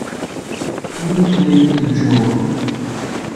New Play Control!